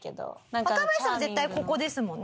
若林さんは絶対ここですもんね。